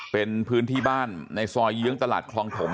เป็นพื้นที่บ้านในซอยเยื้องตลาดคลองถม